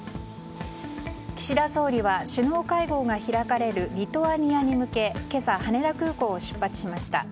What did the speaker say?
岸田総理は首脳会合が開かれるリトアニアに向け今朝、羽田空港を出発しました。